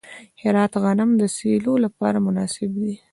د هرات غنم د سیلو لپاره مناسب دي.